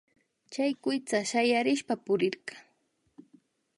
Chay kuytsa shayarishpa purirka